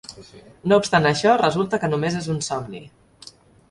No obstant això, resulta que només és un somni.